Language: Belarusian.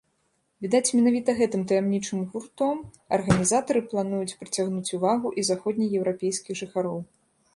Відаць, менавіта гэтым таямнічым гуртом арганізатары плануюць прыцягнуць увагу і заходнееўрапейскіх жыхароў.